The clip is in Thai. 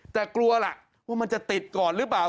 แต่กลัวล่ะว่ามันจะติดก่อนหรือเปล่า